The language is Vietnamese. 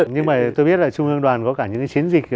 nhưng mà tôi biết là trung ương đoàn có cả những chiến dịch